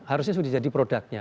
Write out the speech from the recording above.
harusnya sudah jadi produknya